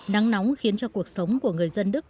nắng nóng khiến cho cuộc sống của người dân đức